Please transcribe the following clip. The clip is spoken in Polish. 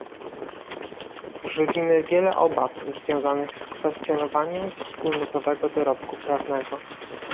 Żywimy wiele obaw związanych z kwestionowaniem wspólnotowego dorobku prawnego